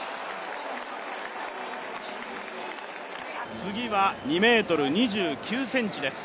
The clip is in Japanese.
次は２ｍ２９ｃｍです。